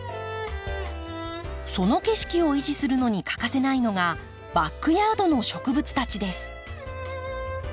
その景色を維持するのに欠かせないのがバックヤードの植物たちです。